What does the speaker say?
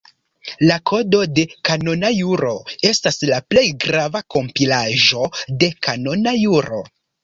La Kodo de Kanona Juro estas la plej grava kompilaĵo de kanona juro.